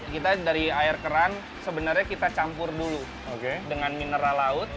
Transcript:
kita dari air keran sebenarnya kita campur dulu dengan mineral laut